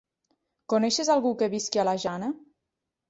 Coneixes algú que visqui a la Jana?